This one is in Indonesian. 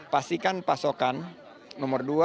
pastikan pasokan nomor dua